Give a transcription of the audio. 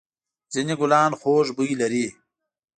ځېنې گلان خوږ بوی لري.